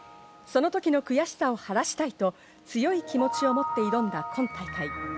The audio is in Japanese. その時の悔しさを晴らしたいと強い気持ちを持って挑んだ今大会。